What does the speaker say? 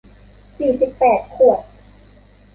สี่สิบแปดขวด